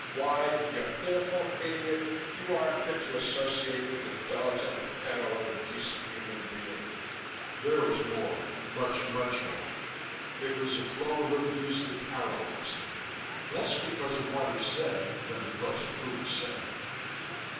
Why, you pitiful idiot, you aren't fit to associate with the dogs in the kennel of a decent human being!" There was more. Much, much more. It was a flow of abuse that paralyzed me, less because of what he said than because of who was saying it.